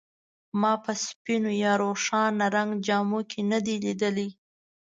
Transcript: ما په سپینو یا روښانه رنګ جامو کې نه دی لیدلی.